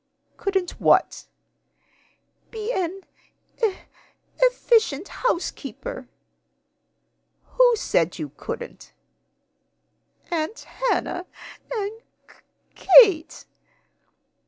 "Couldn't what?" "Be an e efficient housekeeper." "Who said you couldn't?" "Aunt Hannah and K Kate."